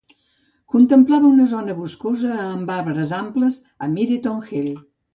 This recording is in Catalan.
Contemplava una zona boscosa amb arbres amples a Myreton Hill.